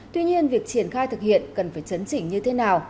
tuy nhiên việc triển khai thực hiện cần phải chấn chỉnh như thế nào